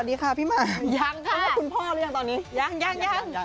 สวัสดีค่ะพี่มาร์ทยังค่ะยัง